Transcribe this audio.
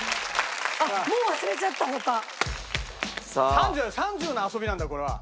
３０３０の遊びなんだよこれは。